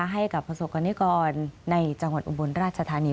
ให้กับประสบกรณิกรในจังหวัดอุบลราชธานี